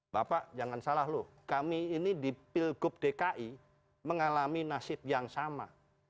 bapak jangan salah loh kami ini di pilgub dki mengalami nasib yang sama